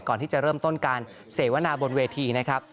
ก่อนที่จะเริ่มต้นการเสวนาบนเวทีนะครับ